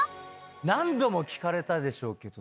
何度も聞かれたでしょうけど。